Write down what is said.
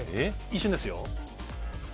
一瞬ですよ。